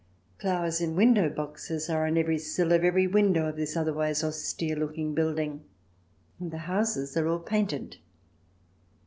Flowers in window boxes are on the sill of every window of this otherwise austere looking building, and the houses are all painted.